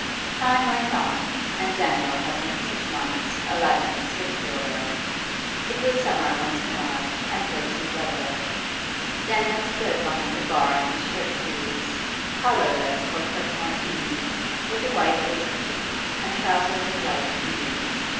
Time went on, and Daniel had been six months a licensed victualler. It was summer once more, and thirsty weather. Daniel stood behind the bar in his shirt sleeves, collarless for personal ease, with a white waistcoat, and trousers of light tweed.